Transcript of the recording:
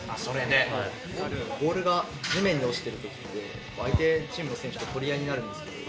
ボールが地面に落ちてるときって、相手チームの選手と取り合いになるんですけれども。